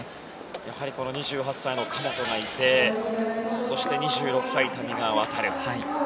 やはり２８歳の神本がいてそして２６歳、谷川航。